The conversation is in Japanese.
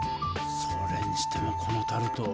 それにしてもこのタルト